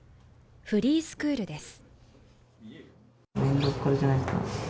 フリースクールです。